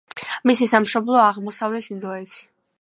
მისი სამშობლოა აღმოსავლეთი ინდოეთი.